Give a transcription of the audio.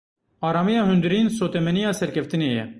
Aramiya hundirîn, sotemeniya serkeftinê ye.